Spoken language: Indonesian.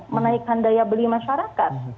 menaikkan daya beli masyarakat